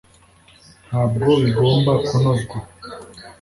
ntabwo bigomba kunozwa